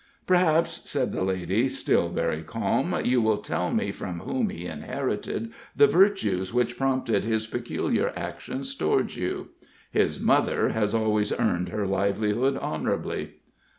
"Perhaps," said the lady, still very calm, "you will tell me from whom he inherited the virtues which prompted his peculiar actions towards you? His mother has always earned her livelihood honorably."